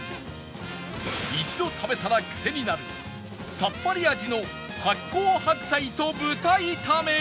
一度食べたらクセになるさっぱり味の発酵白菜と豚炒めか？